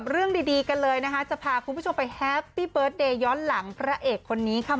เรื่องดีกันเลยนะคะจะพาคุณผู้ชมไปแฮปปี้เบิร์ตเดย์ย้อนหลังพระเอกคนนี้ค่ะ